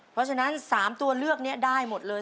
เพราะฉะนั้น๓ตัวเลือกนี้ได้หมดเลย